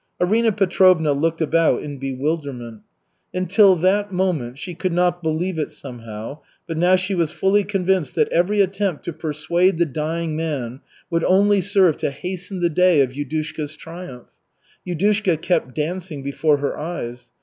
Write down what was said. Arina Petrovna looked about in bewilderment. Until that moment she could not believe it, somehow, but now she was fully convinced that every attempt to persuade the dying man would only serve to hasten the day of Yudushka's triumph. Yudushka kept dancing before her eyes.